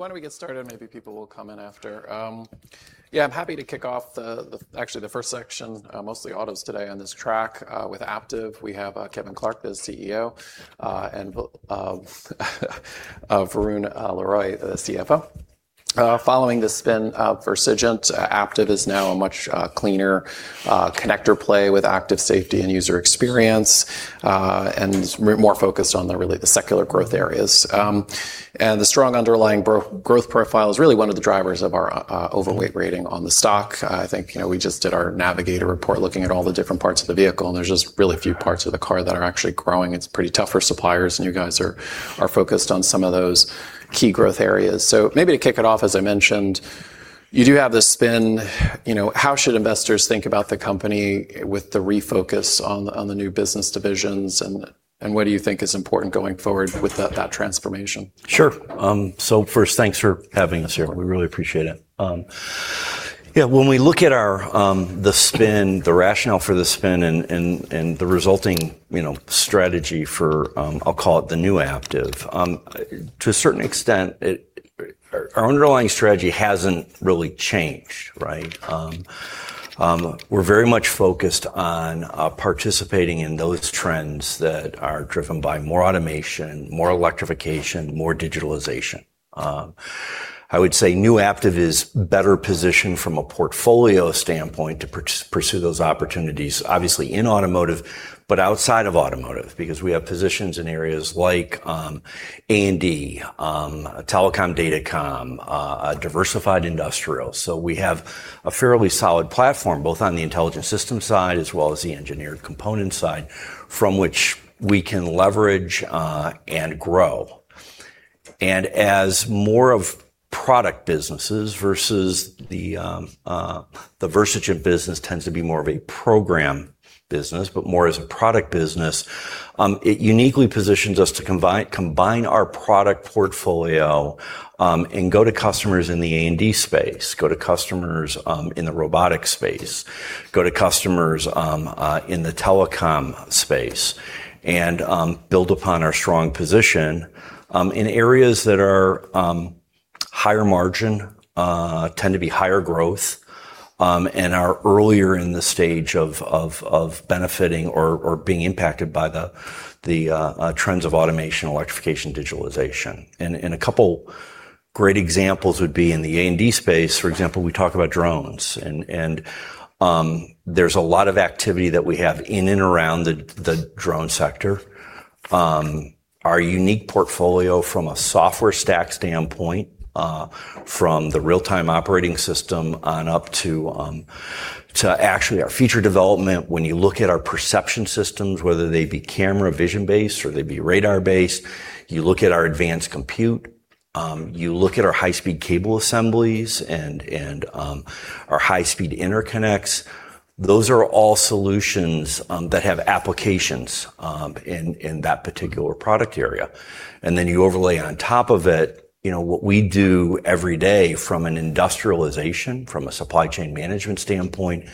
Why don't we get started? Maybe people will come in after. Yeah, I'm happy to kick off, actually, the first section, mostly autos today on this track, with Aptiv. We have Kevin Clark, the CEO, and Varun Laroyia, the CFO. Following the spin of Versigent, Aptiv is now a much cleaner connector play with active safety and user experience, and is more focused on, really, the secular growth areas. The strong underlying growth profile is really one of the drivers of our overweight rating on the stock. I think we just did our navigator report looking at all the different parts of the vehicle, and there's just really few parts of the car that are actually growing. It's pretty tough for suppliers, and you guys are focused on some of those key growth areas. Maybe to kick it off, as I mentioned, you do have this spin. How should investors think about the company with the refocus on the new business divisions, and what do you think is important going forward with that transformation? Sure. First, thanks for having us here. We really appreciate it. Yeah, when we look at the rationale for the spin and the resulting strategy for, I'll call it the new Aptiv, to a certain extent, our underlying strategy hasn't really changed, right? We're very much focused on participating in those trends that are driven by more automation, more electrification, more digitalization. I would say new Aptiv is better positioned from a portfolio standpoint to pursue those opportunities, obviously in automotive, but outside of automotive. We have positions in areas like A&D, telecom, datacom, diversified industrial. We have a fairly solid platform, both on the Intelligent Systems side as well as the Engineered Components side, from which we can leverage and grow. As more of product businesses versus the Versigent business tends to be more of a program business, but more as a product business, it uniquely positions us to combine our product portfolio, and go to customers in the A&D space, go to customers in the robotics space, go to customers in the telecom space. Build upon our strong position, in areas that are higher margin, tend to be higher growth, and are earlier in the stage of benefiting or being impacted by the trends of automation, electrification, digitalization. A couple great examples would be in the A&D space, for example, we talk about drones. There's a lot of activity that we have in and around the drone sector. Our unique portfolio from a software stack standpoint, from the real-time operating system on up to actually our feature development. When you look at our perception systems, whether they be camera vision based or they be radar based, you look at our advanced compute, you look at our high-speed cable assemblies and our high-speed interconnects. Those are all solutions that have applications in that particular product area. Then you overlay on top of it, what we do every day from an industrialization, from a supply chain management standpoint,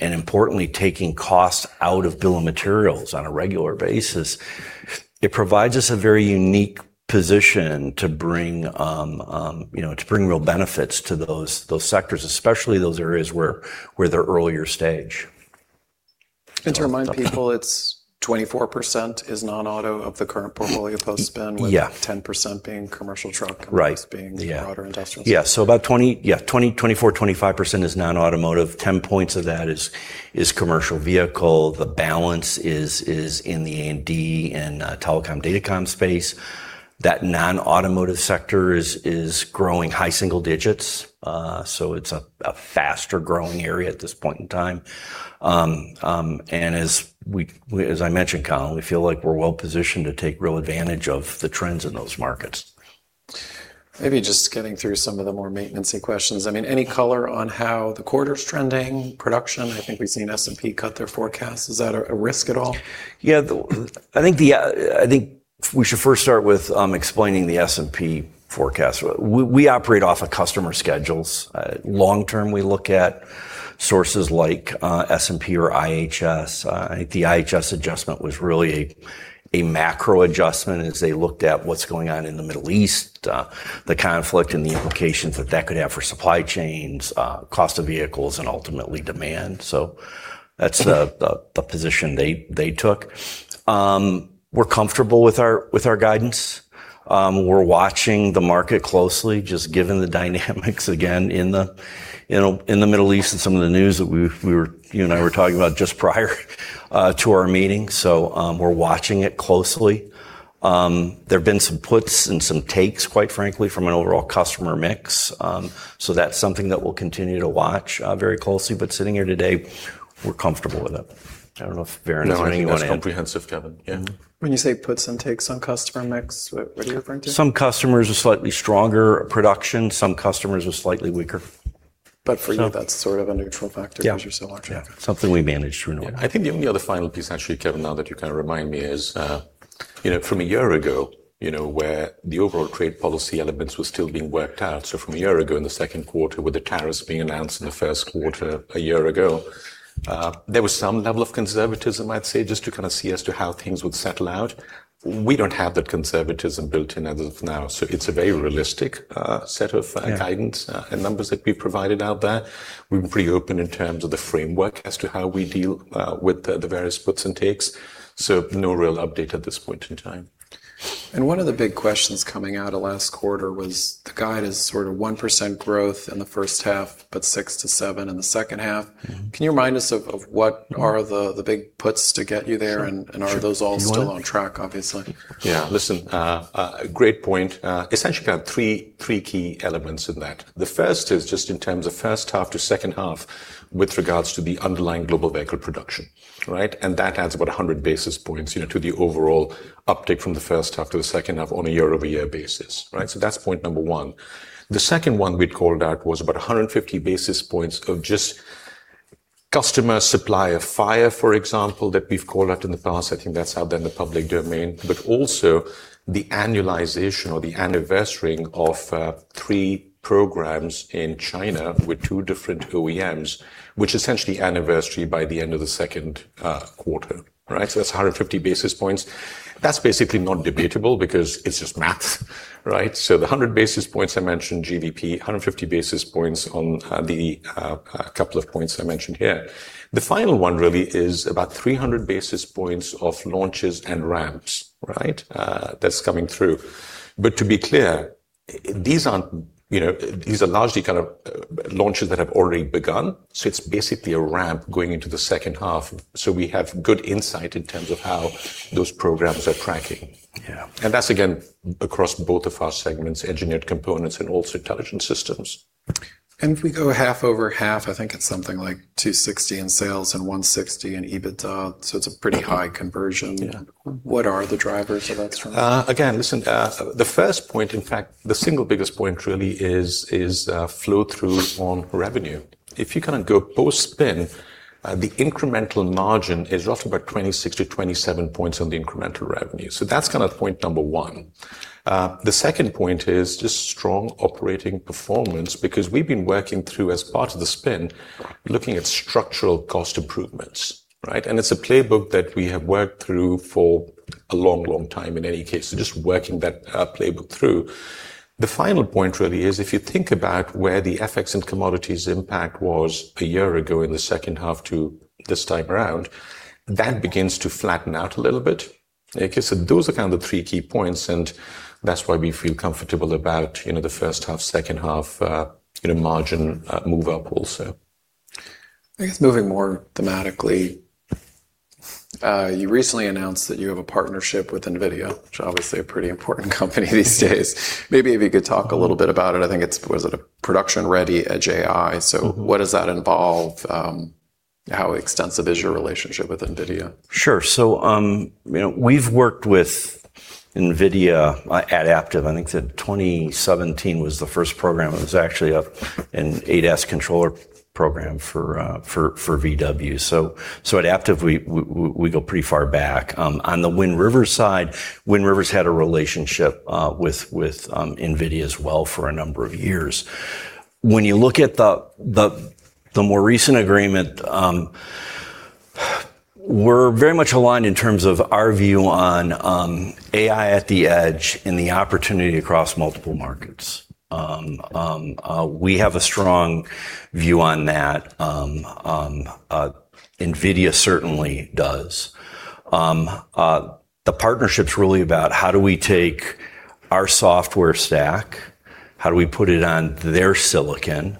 importantly, taking costs out of bill of materials on a regular basis. It provides us a very unique position to bring real benefits to those sectors, especially those areas where they're earlier stage. To remind people, it's 24% is non-auto of the current portfolio post-spin. Yeah. With 10% being commercial truck. Right. The rest being the broader industrial sector. About 24%, 25% is non-automotive. 10 points of that is commercial vehicle. The balance is in the A&D and telecom, datacom space. That non-automotive sector is growing high single digits. It's a faster growing area at this point in time. As I mentioned, Colin, we feel like we're well positioned to take real advantage of the trends in those markets. Maybe just getting through some of the more maintenance questions. Any color on how the quarter's trending, production? I think we've seen S&P cut their forecast. Is that a risk at all? I think we should first start with explaining the S&P forecast. We operate off of customer schedules. Long term, we look at sources like S&P or IHS. I think the IHS adjustment was really a macro adjustment as they looked at what's going on in the Middle East, the conflict, and the implications that that could have for supply chains, cost of vehicles, and ultimately demand. That's the position they took. We're comfortable with our guidance. We're watching the market closely, just given the dynamics again in the Middle East and some of the news that you and I were talking about just prior to our meeting. We're watching it closely. There have been some puts and some takes, quite frankly, from an overall customer mix. That's something that we'll continue to watch very closely, but sitting here today, we're comfortable with it. I don't know if Varun has anything to add. No, I think that's comprehensive, Kevin. Yeah. When you say puts and takes on customer mix, what are you referring to? Some customers are slightly stronger production, some customers are slightly weaker. For you, that's sort of a neutral factor. Yeah because you're so large. Yeah. Something we manage through and over. I think the only other final piece, actually, Kevin, now that you kind of remind me is. From a year ago, where the overall trade policy elements were still being worked out. From a year ago in the second quarter, with the tariffs being announced in the first quarter a year ago, there was some level of conservatism, I'd say, just to kind of see as to how things would settle out. We don't have that conservatism built in as of now. It's a very realistic set of- Yeah. ...guidance and numbers that we provided out there. We're pretty open in terms of the framework as to how we deal with the various puts and takes, no real update at this point in time. One of the big questions coming out of last quarter was the guide is sort of 1% growth in the first half, but 6%-7% in the second half. Can you remind us of what are the big puts to get you there? Sure. Are those all still on track, obviously? Yeah. Listen, great point. Essentially we have three key elements in that. The first is just in terms of first half to second half with regards to the underlying global vehicle production. Right? That adds about 100 basis points to the overall uptick from the first half to the second half on a year-over-year basis. Right? That's point number one. The second one we'd called out was about 150 basis points of just customer supplier friction, for example, that we've called out in the past. I think that's out there in the public domain, but also the annualization or the anniversarying of three programs in China with two different OEMs, which essentially anniversary by the end of the second quarter. Right? That's 150 basis points. That's basically non-debatable because it's just math, right? The 100 basis points I mentioned, GDP, 150 basis points on the couple of points I mentioned here. The final one really is about 300 basis points of launches and ramps, right? That's coming through. To be clear, these are largely kind of launches that have already begun. It's basically a ramp going into the second half. We have good insight in terms of how those programs are tracking. Yeah. That's again, across both of our segments, Engineered Components and also Intelligent Systems. If we go half over half, I think it's something like $260 in sales and $160 in EBITDA, it's a pretty high conversion. Yeah. What are the drivers of that trend? listen, the first point, in fact, the single biggest point really is flow through on revenue. If you kind of go post-spin, the incremental margin is roughly about 26-27 points on the incremental revenue. That's kind of point number one. The second point is just strong operating performance because we've been working through, as part of the spin, looking at structural cost improvements, right? It's a playbook that we have worked through for a long time in any case. Just working that playbook through. The final point really is if you think about where the FX and commodities impact was a year ago in the second half to this time around, that begins to flatten out a little bit. Okay. Those are kind of the three key points, that's why we feel comfortable about the first half, second half, margin move up also. I guess moving more thematically, you recently announced that you have a partnership with NVIDIA, which obviously a pretty important company these days. Maybe if you could talk a little bit about it, was it a production ready edge AI? What does that involve? How extensive is your relationship with NVIDIA? We've worked with NVIDIA at Aptiv, I think that 2017 was the first program. It was actually an ADAS controller program for VW. At Aptiv, we go pretty far back. On the Wind River side, Wind River's had a relationship with NVIDIA as well for a number of years. When you look at the more recent agreement, we're very much aligned in terms of our view on Edge AI and the opportunity across multiple markets. We have a strong view on that. NVIDIA certainly does. The partnership's really about how do we take our software stack, how do we put it on their silicon,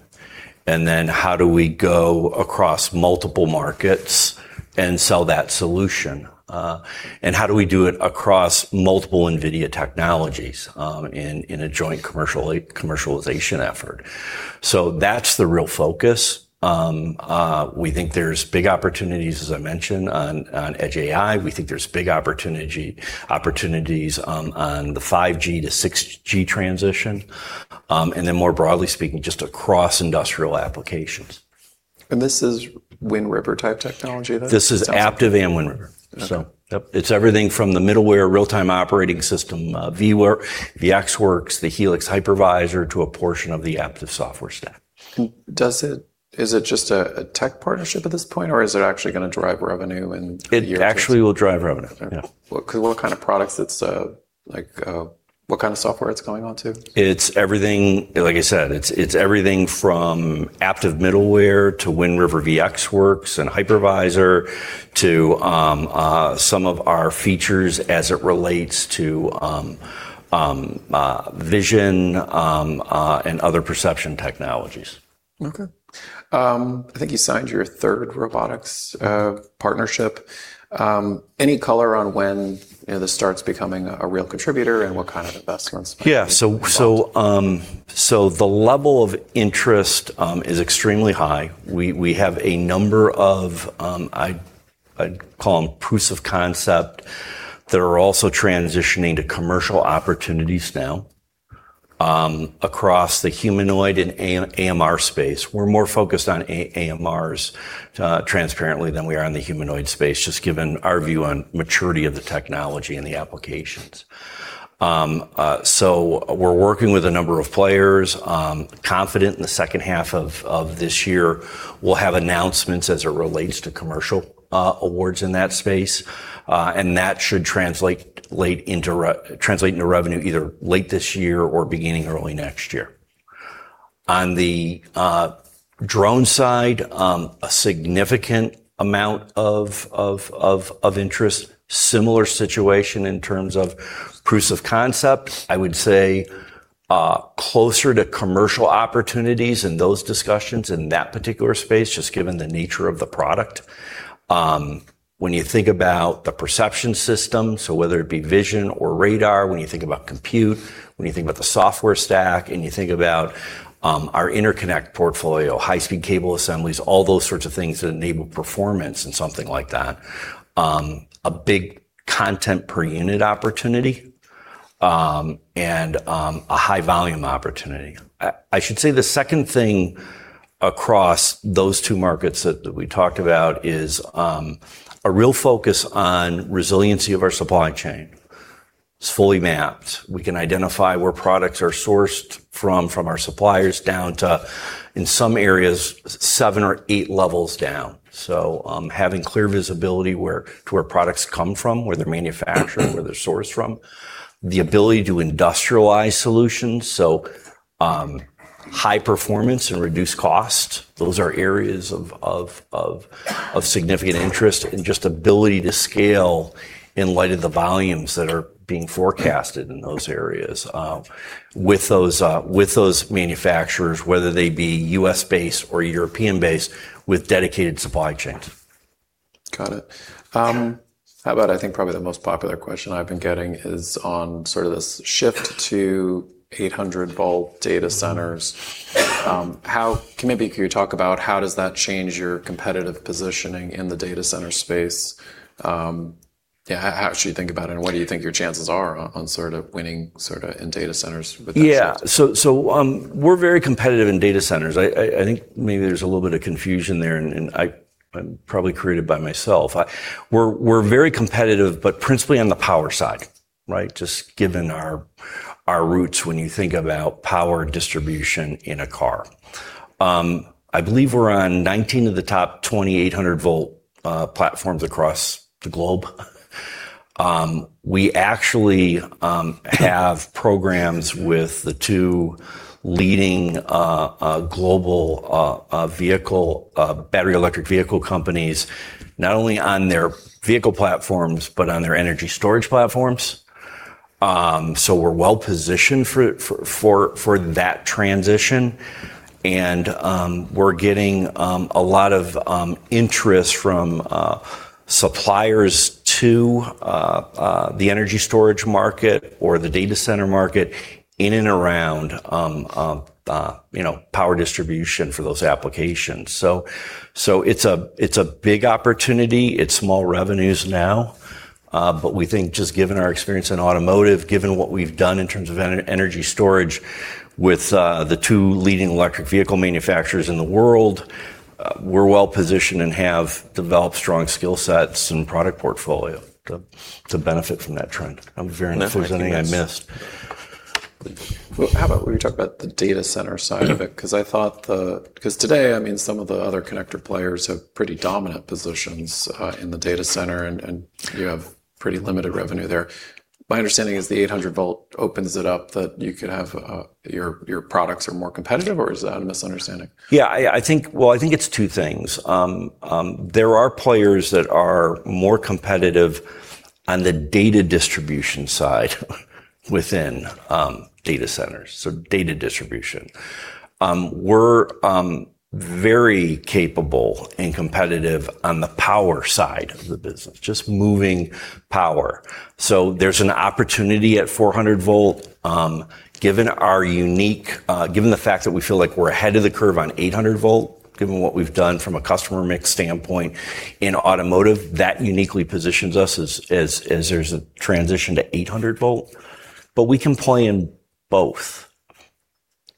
and then how do we go across multiple markets and sell that solution? How do we do it across multiple NVIDIA technologies in a joint commercialization effort? That's the real focus. We think there's big opportunities, as I mentioned, on edge AI. We think there's big opportunities on the 5G to 6G transition. More broadly speaking, just across industrial applications. This is Wind River type technology then? This is Aptiv and Wind River. Okay. Yep. It's everything from the middleware real-time operating system, VxWorks, the Helix hypervisor, to a portion of the Aptiv software stack. Is it just a tech partnership at this point, or is it actually going to drive revenue in years to come? It actually will drive revenue. Yeah. Okay. What kind of products, what kind of software it's going onto? Like I said, it's everything from Aptiv middleware to Wind River VxWorks and hypervisor to some of our features as it relates to vision, and other perception technologies. Okay. I think you signed your third robotics partnership. Any color on when this starts becoming a real contributor and what kind of investments might be involved? Yeah. The level of interest is extremely high. We have a number of, I'd call them proofs of concept that are also transitioning to commercial opportunities now Across the humanoid and AMR space. We're more focused on AMRs, transparently, than we are on the humanoid space, just given our view on maturity of the technology and the applications. We're working with a number of players. Confident in the second half of this year, we'll have announcements as it relates to commercial awards in that space. That should translate into revenue either late this year or beginning early next year. On the drone side, a significant amount of interest. Similar situation in terms of proofs of concept. I would say, closer to commercial opportunities in those discussions in that particular space, just given the nature of the product. When you think about the perception system, so whether it be vision or radar, when you think about compute, when you think about the software stack, and you think about our interconnect portfolio, high-speed cable assemblies, all those sorts of things that enable performance in something like that. A big content per unit opportunity, a high volume opportunity. I should say the second thing across those two markets that we talked about is a real focus on resiliency of our supply chain. It's fully mapped. We can identify where products are sourced from our suppliers down to, in some areas, seven or eight levels down. Having clear visibility to where products come from, where they're manufactured, where they're sourced from. The ability to industrialize solutions. High performance and reduced cost, those are areas of significant interest. Just ability to scale in light of the volumes that are being forecasted in those areas with those manufacturers, whether they be U.S.-based or European-based, with dedicated supply chains. Got it. How about, I think probably the most popular question I've been getting is on sort of this shift to 800-volt data centers. Maybe could you talk about how does that change your competitive positioning in the data center space? How should you think about it, and what do you think your chances are on sort of winning in data centers with that space? We're very competitive in data centers. I think maybe there's a little bit of confusion there and probably created by myself. We're very competitive, but principally on the power side. Just given our roots when you think about power distribution in a car. I believe we're on 19 of the top 800-volt platforms across the globe. We actually have programs with the two leading global battery electric vehicle companies, not only on their vehicle platforms but on their energy storage platforms. We're well positioned for that transition, and we're getting a lot of interest from suppliers to the energy storage market or the data center market in and around power distribution for those applications. It's a big opportunity. It's small revenues now. We think just given our experience in automotive, given what we've done in terms of energy storage with the two leading electric vehicle manufacturers in the world, we're well positioned and have developed strong skill sets and product portfolio to benefit from that trend. No, thank you guys if there's anything I missed. Well, how about we talk about the data center side of it, because today, some of the other connector players have pretty dominant positions in the data center, and you have pretty limited revenue there. My understanding is the 800-volt opens it up, that your products are more competitive, or is that a misunderstanding? Well, I think it's two things. There are players that are more competitive on the data distribution side within data centers, so data distribution. We're very capable and competitive on the power side of the business, just moving power. There's an opportunity at 400-volt. Given the fact that we feel like we're ahead of the curve on 800-volt, given what we've done from a customer mix standpoint in automotive, that uniquely positions us as there's a transition to 800-volt, but we can play in both.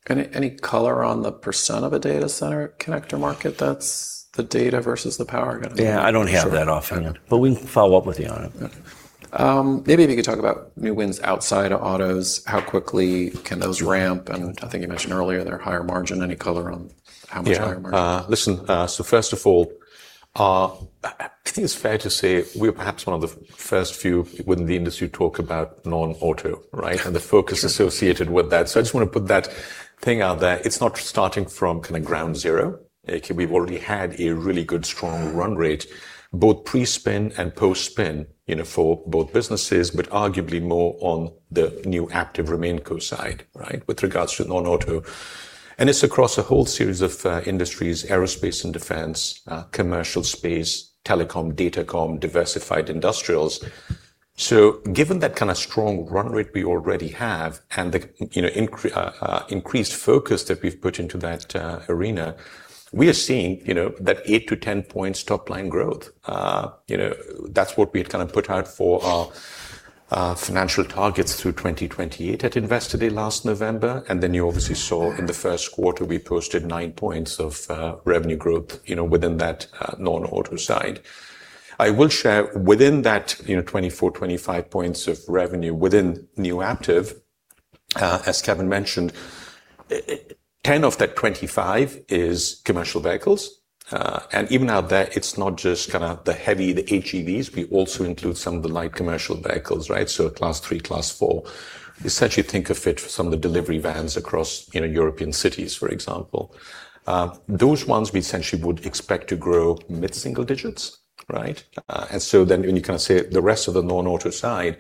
Any color on the percent of a data center connector market that's the data versus the power going to be? Yeah, I don't have that offhand. Sure. We can follow up with you on it. Okay. Maybe if you could talk about new wins outside of autos, how quickly can those ramp, and I think you mentioned earlier they're higher margin. Any color on how much higher margin? Yeah. Listen, first of all, I think it's fair to say we're perhaps one of the first few within the industry to talk about non-auto. The focus associated with that. I just want to put that thing out there. It's not starting from kind of ground zero. We've already had a really good, strong run rate, both pre-spin and post-spin, for both businesses, but arguably more on the new, active RemainCo side with regards to non-auto. It's across a whole series of industries, aerospace and defense, commercial space, telecom, datacom, diversified industrials. Given that kind of strong run rate we already have and the increased focus that we've put into that arena, we are seeing that 8-10 points top-line growth. That's what we had kind of put out for our financial targets through 2028 at Investor Day last November, you obviously saw in the first quarter, we posted nine points of revenue growth within that non-auto side. I will share within that 24, 25 points of revenue within new Aptiv, as Kevin mentioned, 10 of that 25 is commercial vehicles. Even out there, it's not just the heavy, the HEVs, we also include some of the light commercial vehicles. Class 3, Class 4. Essentially think of it for some of the delivery vans across European cities, for example. Those ones we essentially would expect to grow mid-single digits. When you say the rest of the non-auto side,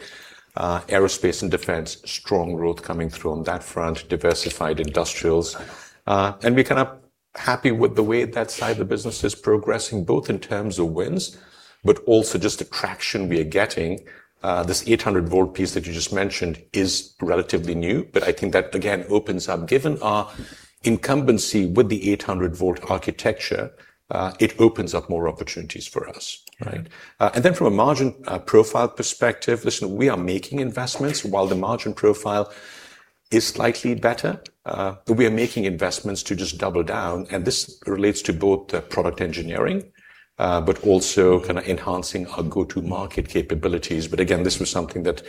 aerospace and defense, strong growth coming through on that front, diversified industrials. We're kind of happy with the way that side of the business is progressing, both in terms of wins, but also just the traction we are getting. This 800-volt piece that you just mentioned is relatively new, but I think that, again, opens up, given our incumbency with the 800-volt architecture, it opens up more opportunities for us. Right. From a margin profile perspective, listen, we are making investments while the margin profile is slightly better, but we are making investments to just double down, and this relates to both the product engineering, but also kind of enhancing our go-to-market capabilities. Again, this was something that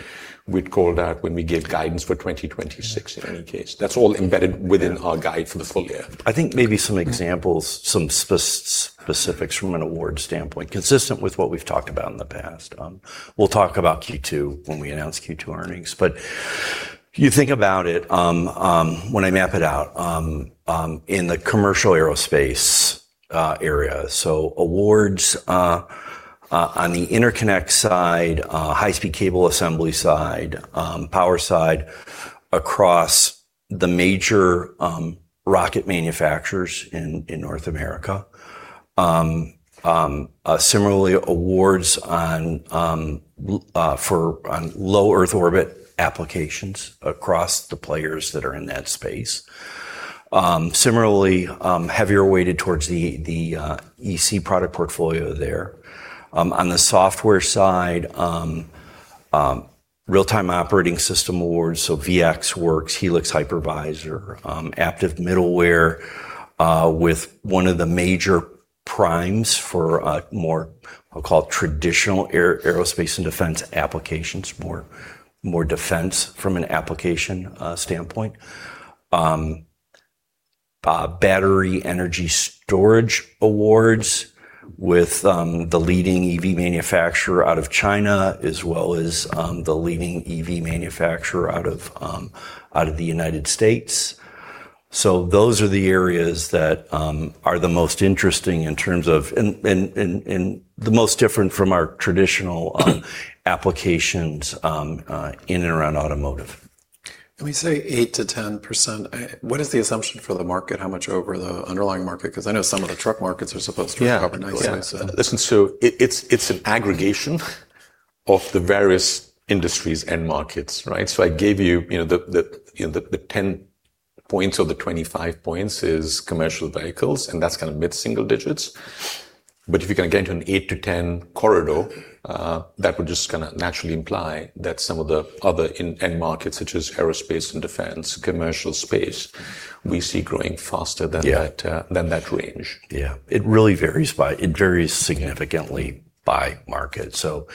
we'd called out when we gave guidance for 2026 in any case. That's all embedded within our guide for the full year. I think maybe some examples, some specifics from an award standpoint, consistent with what we've talked about in the past. We'll talk about Q2 when we announce Q2 earnings. You think about it, when I map it out, in the commercial aerospace area, awards on the interconnect side, high-speed cable assembly side, power side, across the major rocket manufacturers in North America. Similarly, awards on Low Earth Orbit applications across the players that are in that space. Similarly, heavier weighted towards the EC product portfolio there. On the software side, real-time operating system awards, VxWorks, Wind River Helix Virtualization Platform, Aptiv Middleware, with one of the major primes for a more, I'll call it traditional aerospace and defense applications, more defense from an application standpoint. Battery energy storage awards with the leading EV manufacturer out of China, as well as the leading EV manufacturer out of the U.S. Those are the areas that are the most interesting in terms of, and the most different from our traditional applications in and around automotive. When you say 8%-10%, what is the assumption for the market? How much over the underlying market? I know some of the truck markets are supposed to recover nicely. Listen, it's an aggregation of the various industries and markets. I gave you the 10 points or the 25 points is commercial vehicles, and that's kind of mid-single digits. If you're going to get into an 8 to 10 corridor, that would just kind of naturally imply that some of the other end markets, such as aerospace and defense, commercial space, we see growing faster than that range. Yeah. It really varies significantly by market. To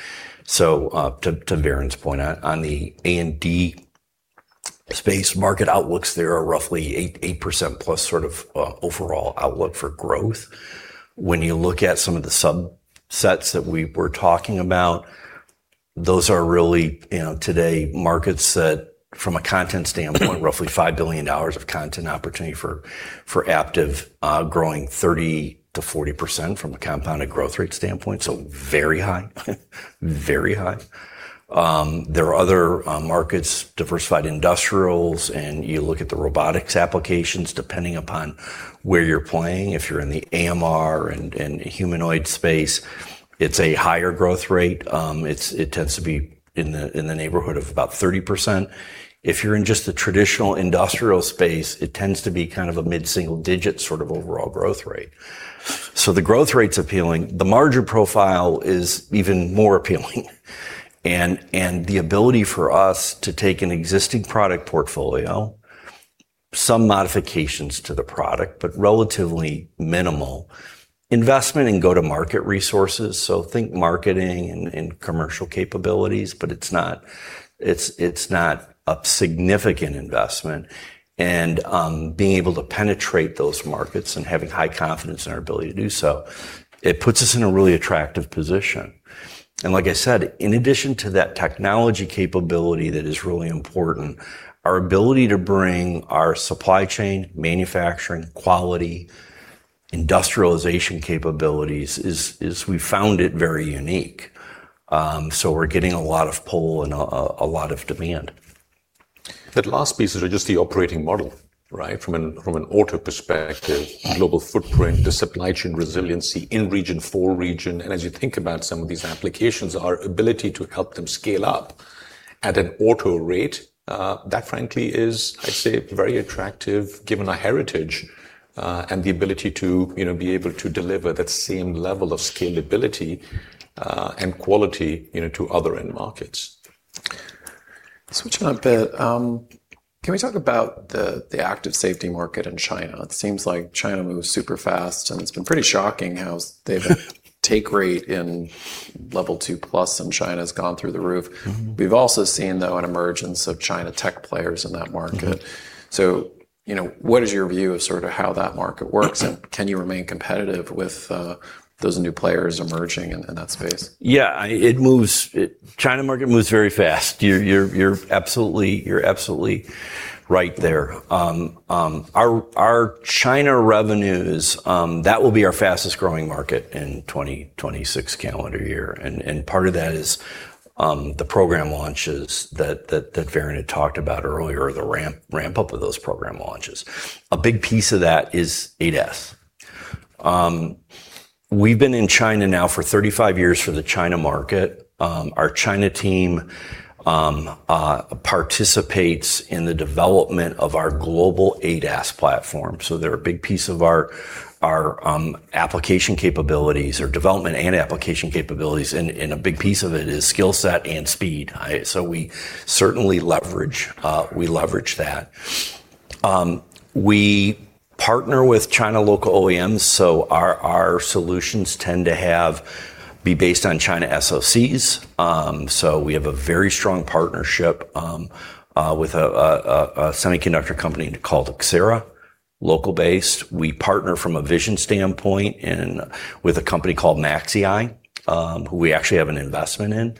Varun's point, on the A&D space market outlooks there are roughly 8%+ sort of overall outlook for growth. When you look at some of the subsets that we were talking about, those are really, today, markets that from a content standpoint, roughly $5 billion of content opportunity for Aptiv, growing 30%-40% from a compounded growth rate standpoint. Very high. Very high. There are other markets, diversified industrials, and you look at the robotics applications, depending upon where you're playing. If you're in the AMR and humanoid space, it's a higher growth rate. It tends to be in the neighborhood of about 30%. If you're in just the traditional industrial space, it tends to be kind of a mid-single digit sort of overall growth rate. The growth rate's appealing. The margin profile is even more appealing. The ability for us to take an existing product portfolio, some modifications to the product, relatively minimal investment and go-to-market resources. Think marketing and commercial capabilities, it's not a significant investment. Being able to penetrate those markets and having high confidence in our ability to do so, it puts us in a really attractive position. Like I said, in addition to that technology capability that is really important, our ability to bring our supply chain, manufacturing, quality, industrialization capabilities is we found it very unique. We're getting a lot of pull and a lot of demand. That last piece is just the operating model. From an auto perspective, global footprint, the supply chain resiliency in region, for region. As you think about some of these applications, our ability to help them scale up at an auto rate, that frankly is, I'd say, very attractive given our heritage, and the ability to be able to deliver that same level of scalability, and quality to other end markets. Switching up a bit, can we talk about the active safety market in China? It seems like China moves super fast, and it's been pretty shocking how take rate in Level 2+ in China has gone through the roof. We've also seen, though, an emergence of China tech players in that market. What is your view of how that market works, and can you remain competitive with those new players emerging in that space? Yeah. China market moves very fast. You're absolutely right there. Our China revenues, that will be our fastest-growing market in 2026 calendar year, and part of that is the program launches that Varun had talked about earlier, or the ramp up of those program launches. A big piece of that is ADAS. We've been in China now for 35 years for the China market. Our China team participates in the development of our global ADAS platform. They're a big piece of our application capabilities, our development and application capabilities, and a big piece of it is skill set and speed. We certainly leverage that. We partner with China local OEMs, our solutions tend to have be based on China SOCs. We have a very strong partnership with a semiconductor company called Axera, local-based. We partner from a vision standpoint with a company called MAXIEYE, who we actually have an investment in,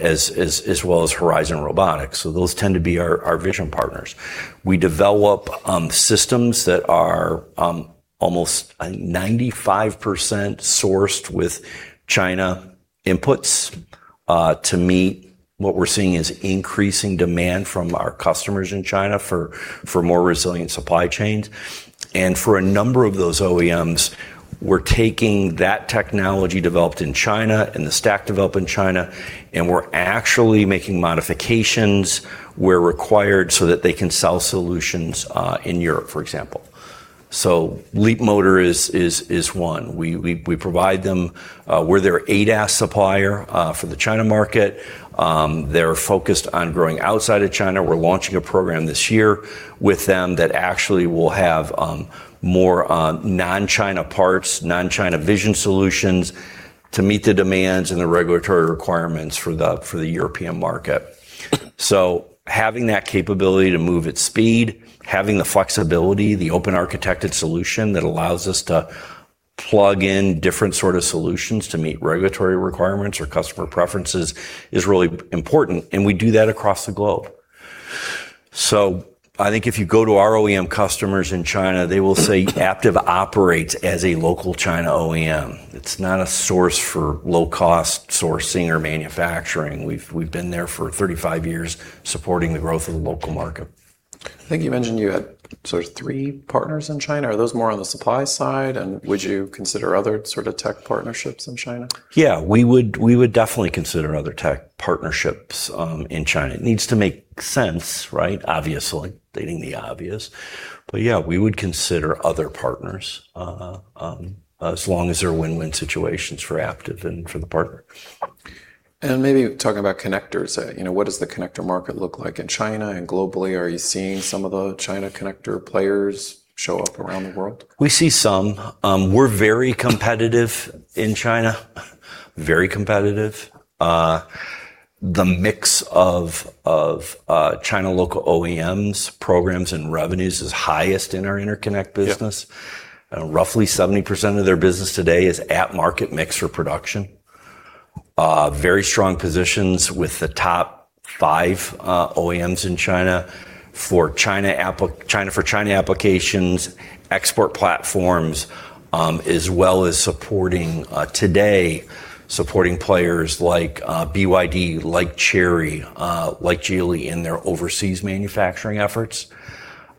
as well as Horizon Robotics, those tend to be our vision partners. We develop systems that are almost 95% sourced with China inputs, to meet what we're seeing is increasing demand from our customers in China for more resilient supply chains. For a number of those OEMs, we're taking that technology developed in China and the stack developed in China, and we're actually making modifications where required so that they can sell solutions in Europe, for example. Leapmotor is one. We provide them, we're their ADAS supplier, for the China market. They're focused on growing outside of China. We're launching a program this year with them that actually will have more non-China parts, non-China vision solutions to meet the demands and the regulatory requirements for the European market. Having that capability to move at speed, having the flexibility, the open architected solution that allows us to plug in different sort of solutions to meet regulatory requirements or customer preferences is really important, and we do that across the globe. I think if you go to our OEM customers in China, they will say Aptiv operates as a local China OEM. It's not a source for low-cost sourcing or manufacturing. We've been there for 35 years supporting the growth of the local market. I think you mentioned you had sort of three partners in China. Are those more on the supply side, and would you consider other sort of tech partnerships in China? Yeah, we would definitely consider other tech partnerships in China. It needs to make sense, right? Obviously, stating the obvious. Yeah, we would consider other partners, as long as they're win-win situations for Aptiv and for the partner. Maybe talking about connectors, what does the connector market look like in China and globally? Are you seeing some of the China connector players show up around the world? We see some. We're very competitive in China. Very competitive. The mix of China local OEMs programs and revenues is highest in our interconnect business. Yeah. Roughly 70% of their business today is at market mix or production. Very strong positions with the top five OEMs in China. For China applications, export platforms, as well as supporting, today, supporting players like BYD, like Chery, like Geely in their overseas manufacturing efforts.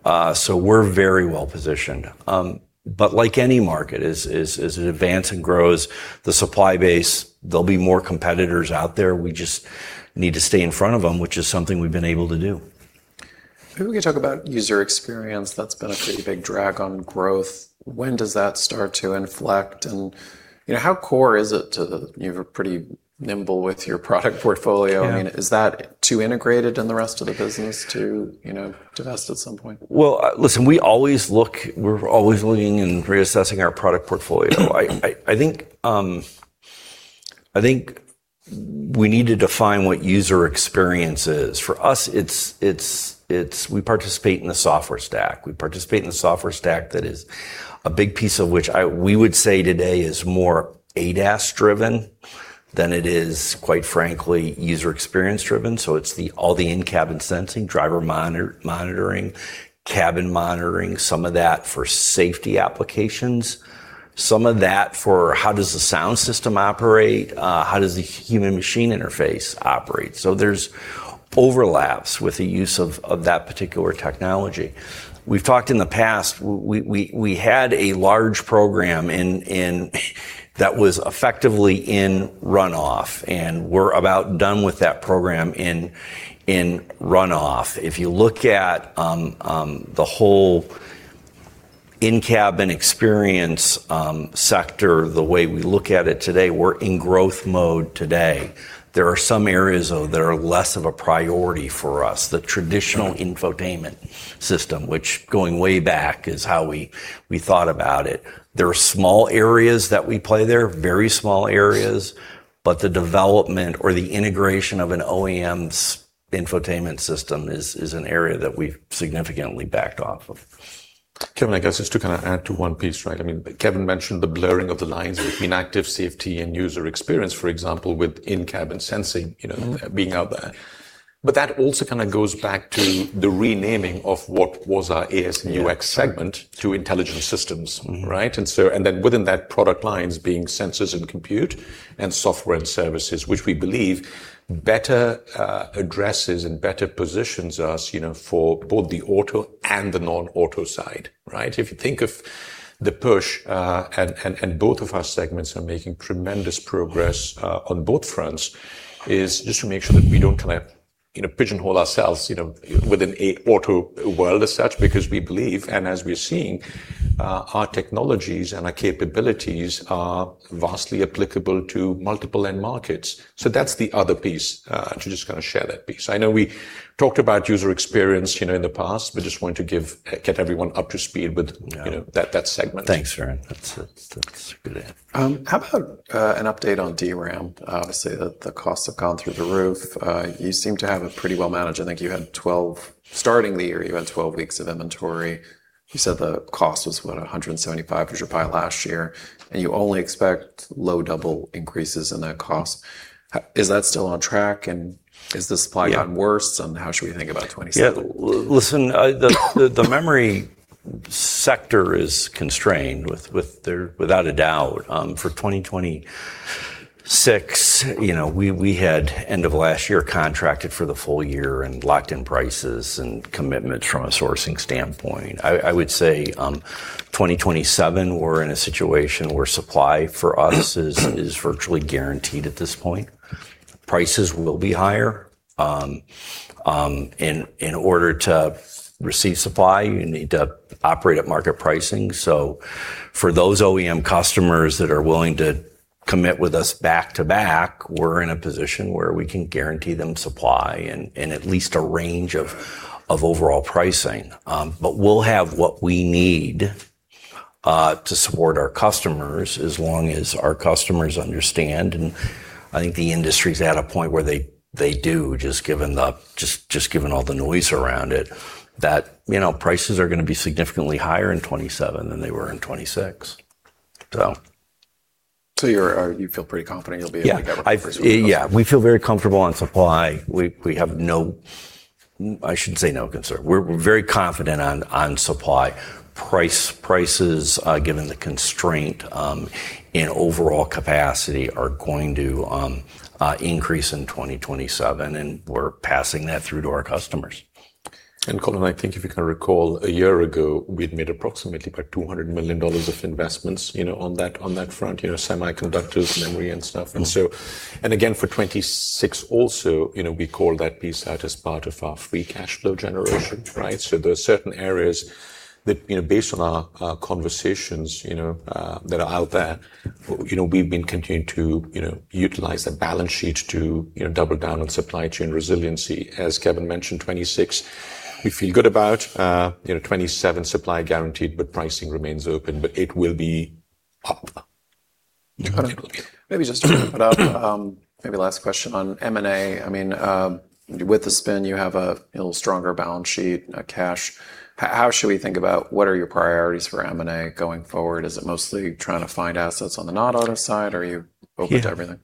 We're very well-positioned. Like any market, as it advances and grows the supply base, there'll be more competitors out there. We just need to stay in front of them, which is something we've been able to do. Maybe we could talk about user experience. That's been a pretty big drag on growth. When does that start to inflect? You're pretty nimble with your product portfolio. Yeah. Is that too integrated in the rest of the business to divest at some point? Well, listen, we're always looking and reassessing our product portfolio. I think we need to define what user experience is. For us, it's we participate in the software stack. We participate in the software stack that is a big piece of which we would say today is more ADAS-driven than it is, quite frankly, user experience-driven. It's all the in-cabin sensing, driver monitoring, cabin monitoring, some of that for safety applications, some of that for how does the sound system operate, how does the human machine interface operate? There's overlaps with the use of that particular technology. We've talked in the past, we had a large program that was effectively in runoff, and we're about done with that program in runoff. If you look at the whole in-cabin experience sector, the way we look at it today, we're in growth mode today. There are some areas though that are less of a priority for us. The traditional infotainment system, which going way back is how we thought about it. There are small areas that we play there, very small areas, but the development or the integration of an OEM's infotainment system is an area that we've significantly backed off of. Kevin, I guess just to kind of add to one piece. Kevin mentioned the blurring of the lines between active safety and user experience, for example, with in-cabin sensing being out there. That also kind of goes back to the renaming of what was our AS&UX segment to Intelligent Systems. Within that product lines being sensors and compute and software and services, which we believe better addresses and better positions us for both the auto and the non-auto side. If you think of the push, both of our segments are making tremendous progress on both fronts, is just to make sure that we don't kind of pigeonhole ourselves within an auto world as such, because we believe, and as we're seeing, our technologies and our capabilities are vastly applicable to multiple end markets. That's the other piece. To just kind of share that piece. I know we talked about user experience in the past, but just wanted to get everyone up to speed with. Yeah. That segment. Thanks, Varun. That's a good add. How about an update on DRAM? Obviously, the costs have gone through the roof. You seem to have it pretty well managed. I think, starting the year, you had 12 weeks of inventory. You said the cost was, what, $175 as your buy last year, and you only expect low double increases in that cost. Is that still on track, and is the supply gotten worse? Yeah. How should we think about 2027? Listen, the memory sector is constrained, without a doubt. For 2026, we had end of last year contracted for the full year and locked in prices and commitments from a sourcing standpoint. I would say 2027, we're in a situation where supply for us is virtually guaranteed at this point. Prices will be higher. In order to receive supply, you need to operate at market pricing. For those OEM customers that are willing to commit with us back-to-back, we're in a position where we can guarantee them supply and at least a range of overall pricing. We'll have what we need to support our customers as long as our customers understand, and I think the industry's at a point where they do, just given all the noise around it, that prices are going to be significantly higher in 2027 than they were in 2026. You feel pretty confident you'll be able to get- Yeah. Yeah. We feel very comfortable on supply. We have, I shouldn't say no concern, we're very confident on supply. Prices, given the constraint in overall capacity, are going to increase in 2027, we're passing that through to our customers. Colin, I think if you can recall, a year ago, we'd made approximately $200 million of investments on that front, semiconductors, memory and stuff. Again, for 2026 also, we call that piece out as part of our free cash flow generation. Right. There are certain areas that based on our conversations that are out there, we've been continuing to utilize the balance sheet to double down on supply chain resiliency. As Kevin mentioned, 2026, we feel good about. 2027 supply guaranteed, but pricing remains open, but it will be up. Got it. Maybe just to wrap it up, maybe last question on M&A. With the spin, you have a little stronger balance sheet, cash. How should we think about what are your priorities for M&A going forward? Is it mostly trying to find assets on the non-auto side, or are you open to everything?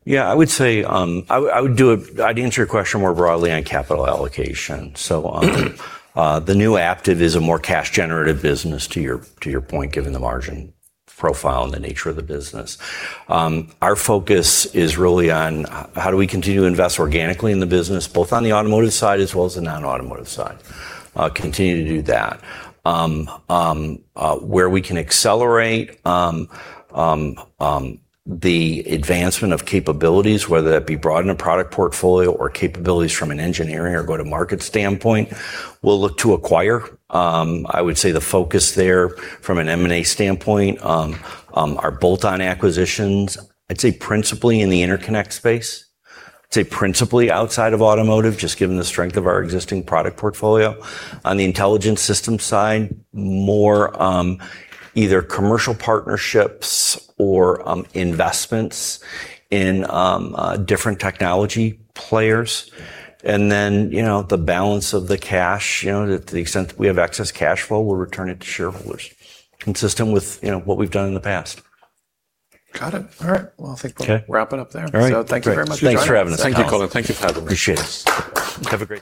I'd answer your question more broadly on capital allocation. The new Aptiv is a more cash generative business to your point, given the margin profile and the nature of the business. Our focus is really on how do we continue to invest organically in the business, both on the automotive side as well as the non-automotive side. Continue to do that. Where we can accelerate the advancement of capabilities, whether that be broadening a product portfolio or capabilities from an engineering or go-to-market standpoint, we'll look to acquire. I would say the focus there from an M&A standpoint are bolt-on acquisitions, I'd say principally in the interconnect space. I'd say principally outside of automotive, just given the strength of our existing product portfolio. On the Intelligent Systems side, more either commercial partnerships or investments in different technology players. The balance of the cash, to the extent that we have excess cash flow, we'll return it to shareholders, consistent with what we've done in the past. Got it. All right. Well, I think we'll- Okay. ..wrap it up there. All right. Great. Thank you very much. Thanks for having us. Thank you, Colin. Thank you for having us. Appreciate it. Have a great day.